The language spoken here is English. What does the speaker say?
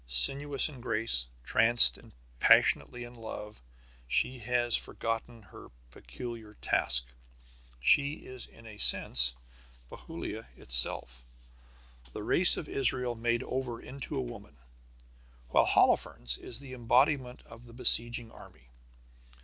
Sinuous in grace, tranced, passionately in love, she has forgotten her peculiar task. She is in a sense Bethulia itself, the race of Israel made over into a woman, while Holofernes is the embodiment of the besieging army.